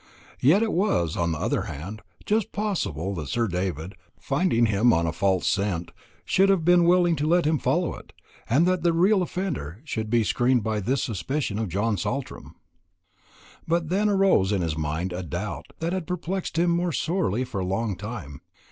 Yet it was, on the other hand, just possible that Sir David, finding him on a false scent, should have been willing to let him follow it, and that the real offender should be screened by this suspicion of John Saltram. But then there arose in his mind a doubt that had perplexed him sorely for a long time.